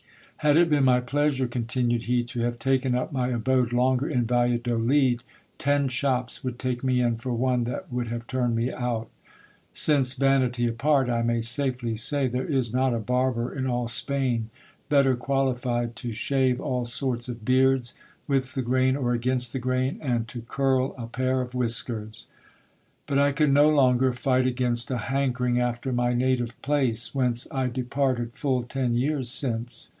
Had it been my pleasure, continued he, to have taken up my abode longer in Valladolid, ten shops would take me in for one that would have turned me out ; since, vanity apart, I may safely say there is not a barber in all Spain better qualified to shave all sorts of beards, with the grain or against the grain, and to curl a pair of whiskers. But I could no longer fight against a hankering after my native place, whence I departed full ten years since.